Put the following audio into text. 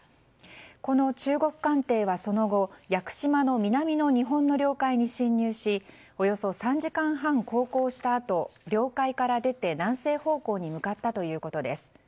この中国艦艇はその後屋久島の南の領海に侵入しおよそ３時間半航行したあと領海から出て南西方向に向かったということです。